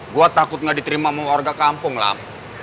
gue takut gak diterima sama warga kampung lah